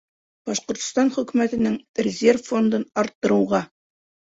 — Башҡортостан Хөкүмәтенең резерв фондын арттырыуға;